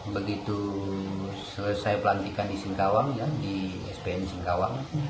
begitu selesai pelantikan di singkawang di spn singkawang